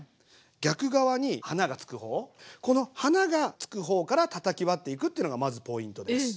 逆側に花が付く方この花が付く方からたたき割っていくっていうのがまずポイントです。